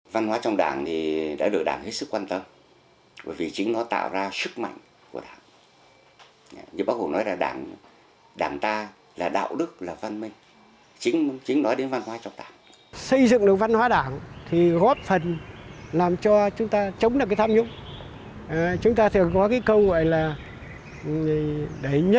văn hóa trong đảng thì đã được đảng hết sức quan tâm bởi vì chính nó tạo ra sức mạnh của đảng